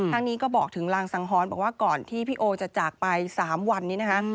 ทั้งนี้ก็บอกถึงรางสังหรณ์บอกว่าก่อนที่พี่โอจะจากไป๓วันนี้นะคะ